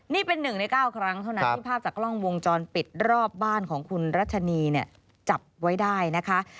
นี่เป็น๑ใน๙ครั้งเท่านั้นที่ภาพจากกล้องวงจรปิดรอบบ้านของคุณรัชนีเนี่ยจับไว้ได้นะคะ